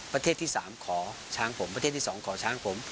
ประเทศที่๓ขอช้างผมประเทศที่๒ขอช้างผม